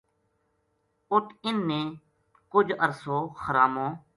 اُت اِنھ نے کُج عرصو خرامو